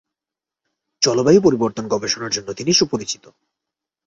জলবায়ু পরিবর্তন গবেষণার জন্য তিনি সুপরিচিত।